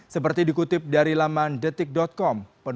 seperti dikutip dari laman detik com